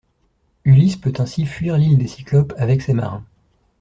Ulysse peut ainsi fuir l'île des cyclopes avec ses marins.